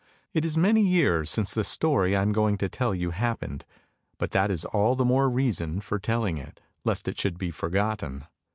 It is many years since the story I am going to tell you happened, but that is all the more reason for telling it, lest it should be forgotten.